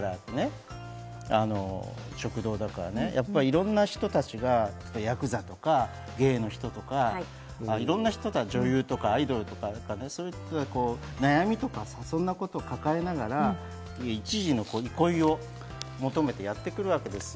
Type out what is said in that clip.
１２時から、食堂だから、いろんな人たちが、ヤクザとかゲイの人とかがいろんな女優とかアイドルとか、悩みとかさ、そんなことを抱えながら、一時の憩いを求めてやってくるわけですよ。